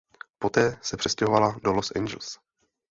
Poté se přestěhovala do Los Angeles.